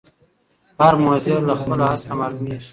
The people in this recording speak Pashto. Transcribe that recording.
هر مضر له خپله اصله معلومیږي